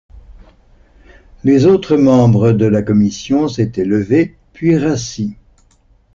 Les autres membres de la Commission s'étaient levés, puis rassis.